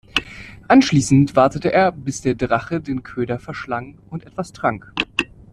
Anschließend wartete er, bis der Drache den Köder verschlang und etwas trank.